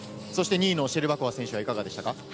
そして２位のシェルバコワ選手はいかがでしたか。